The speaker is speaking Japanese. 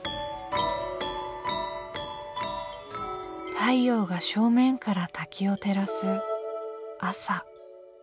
太陽が正面から滝を照らす朝。